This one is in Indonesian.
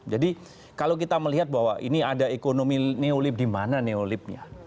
jadi kalau kita melihat bahwa ini ada ekonomi neolib dimana neolibnya